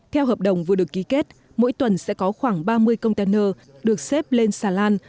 theo hợp đồng vừa được ký kết mỗi tuần sẽ có khoảng ba mươi container được xếp lên xà lan